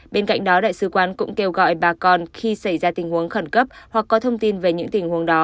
bên cạnh đó đại sứ quán cũng kêu gọi bà con khi xảy ra tình huống khẩn cấp hoặc có thông tin về những tình huống đó